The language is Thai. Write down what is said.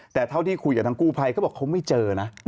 แต่เท่าที่คุยกับทางกู้ภัยเขาบอกเขาไม่เจอนะ